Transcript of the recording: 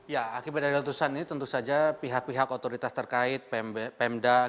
ya akibat dari letusan ini tentu saja pihak pihak otoritas terkait pemda